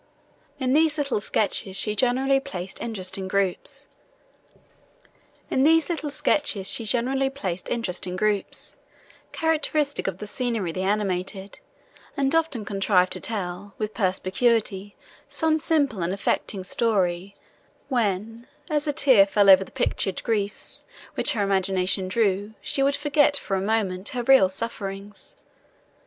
In these little sketches she generally placed interesting groups, characteristic of the scenery they animated, and often contrived to tell, with perspicuity, some simple and affecting story, when, as a tear fell over the pictured griefs, which her imagination drew, she would forget, for a moment, her real sufferings.